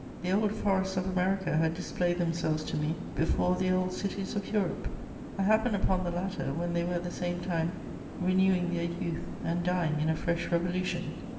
The old forests of America had displayed themselves to me before the old cities of Europe. I happened upon the latter when they were at the same time renewing their youth and dying in a fresh revolution.